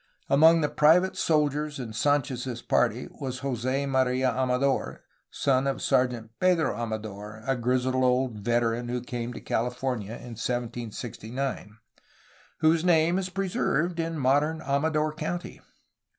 Among the private soldiers in Sanchez's party was Jos6 Maria Amador (son of Sergeant Pedro Amador, a grizzled old veteran who came to Alta California in 1769), whose name is preserved in modern Amador County.